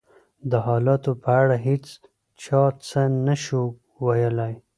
د حالاتو په اړه هېڅ چا څه نه شوای ویلای.